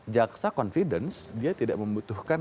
jaksa confidence dia tidak membutuhkan